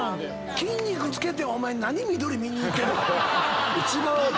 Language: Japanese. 筋肉つけてお前何緑見に行ってるの。